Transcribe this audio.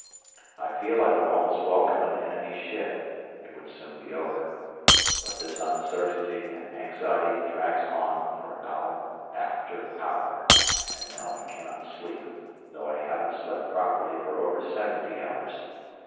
I feel I would almost welcome an enemy ship, it would soon be over; but this uncertainty and anxiety drags on for hour after hour and now I cannot sleep, though I haven't slept properly for over seventy hours.